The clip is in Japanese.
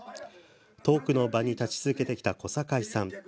トークの場に立ち続けてきた小堺さん。